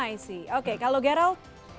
i see oke kalau geral